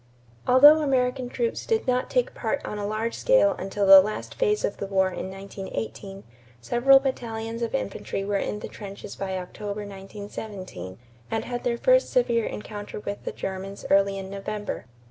Although American troops did not take part on a large scale until the last phase of the war in 1918, several battalions of infantry were in the trenches by October, 1917, and had their first severe encounter with the Germans early in November.